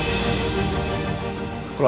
mas ini udah selesai